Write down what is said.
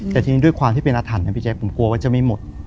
แต่ทีนี้ด้วยความที่เป็นอาถรรพ์นะพี่แจ๊คผมกลัวว่าจะไม่หมด